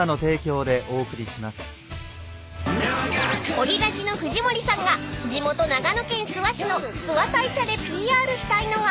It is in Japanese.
［オリラジの藤森さんが地元長野県諏訪市の諏訪大社でＰＲしたいのが］